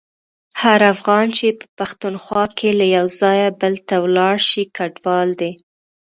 هر افغان چي په پښتونخوا کي له یو ځایه بل ته ولاړشي کډوال دی.